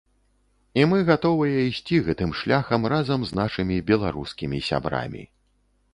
І мы гатовыя ісці гэтым шляхам разам з нашымі беларускімі сябрамі.